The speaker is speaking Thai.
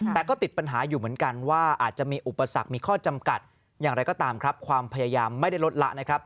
แต่ก็ติดปัญหาอยู่เหมือนกันว่าอาจจะมีอุปสรรคมีข้อจำกัดอย่างไรก็ตามครับความพยายามไม่ได้ลดละนะครับ